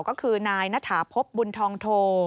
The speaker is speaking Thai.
ก็คือนายณฐาพบบุญทองโท